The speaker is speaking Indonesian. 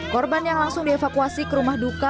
korban yang langsung dievakuasi ke rumah duka